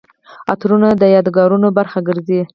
عطرونه د یادګارونو برخه ګرځي.